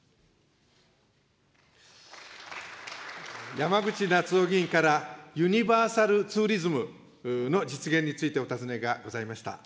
山口那津男議員からユニバーサルツーリズムの実現についてお尋ねがございました。